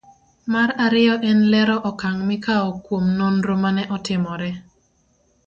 Mar ariyo en lero okang' mikawo kuom nonro manene otimore